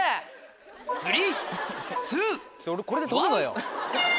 俺これで飛ぶのよ。